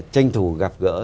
tranh thủ gặp gỡ